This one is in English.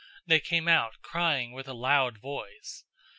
They came out, crying with a loud voice.